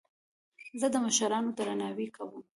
زه د مشرانو درناوی کوم.